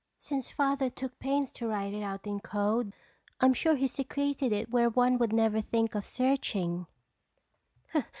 Since Father took pains to write it out in code, I'm sure he secreted it where one would never think of searching."